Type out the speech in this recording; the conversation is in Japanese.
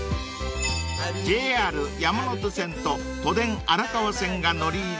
［ＪＲ山手線と都電荒川線が乗り入れる大塚へ］